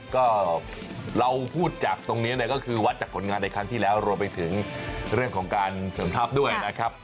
ก็เราพูดจากตรงนี้เนี่ยก็คือวัดจากผลงานในครั้งที่แล้วรวมไปถึงเรื่องของการเสริมทัพด้วยนะครับ